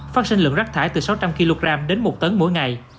phát sinh lượng rác thải từ sáu trăm linh kg đến một tấn mỗi ngày